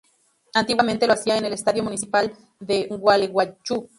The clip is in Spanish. Antiguamente lo hacía en el Estadio Municipal de Gualeguaychú.